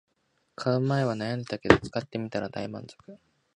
買う前は悩んだけど使ってみたら大満足